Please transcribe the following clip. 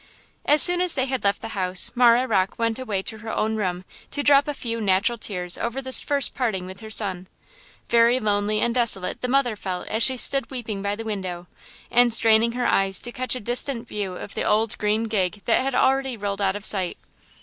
As soon as they had left the house Marah Rocke went away to her own room to drop a few natural tears over this first parting with her son. Very lonely and desolate the mother felt as she stood weeping by the window, and straining her eyes to catch a distant view of the old green gig that had already rolled out of sight.